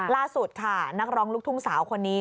ล่าสุดค่ะนักร้องลูกทุ่งสาวคนนี้